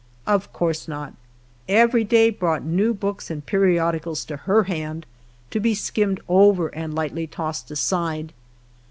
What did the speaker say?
Of course not; every day brought new books and periodicals to her hand, to be skimmed over and lightly tossed aside.